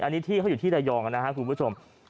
อันนี้ที่เขาอยู่ที่ระยองนะครับคุณผู้ชม